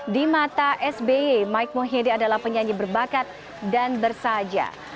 di mata sby mike mohede adalah penyanyi berbakat dan bersaja